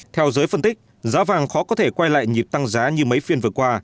theo giới phân tích giá vàng khó có thể quay lại nhịp tăng giá như mấy phiên vừa qua